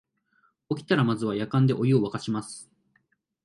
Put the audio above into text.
起きたらまずはやかんでお湯をわかします